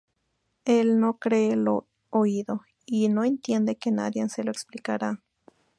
Él no cree lo oído, y no entiende que nadie se lo explicara.